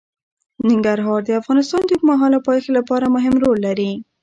ننګرهار د افغانستان د اوږدمهاله پایښت لپاره مهم رول لري.